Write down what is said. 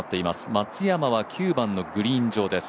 松山は９番のグリーン上です。